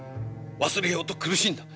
忘れようと苦しんだ。